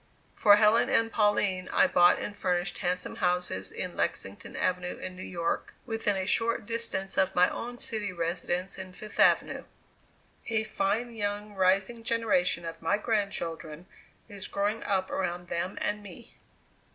For Helen and Pauline, I bought and furnished handsome houses in Lexington Avenue, in New York, within a short distance of my own city residence in Fifth Avenue. A fine young rising generation of my grandchildren is growing up around them and me.